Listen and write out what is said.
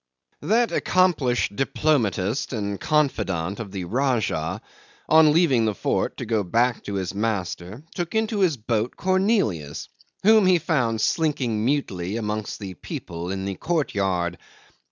'That accomplished diplomatist and confidant of the Rajah, on leaving the fort to go back to his master, took into his boat Cornelius, whom he found slinking mutely amongst the people in the courtyard.